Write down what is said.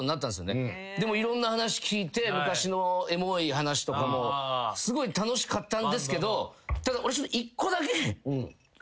いろんな話聞いて昔のエモい話とかもすごい楽しかったんですけどただ俺ちょっと。